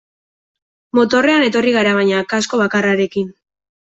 Motorrean etorri gara baina kasko bakarrarekin.